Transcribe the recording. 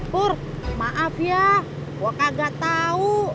pur maaf ya gua kagak tau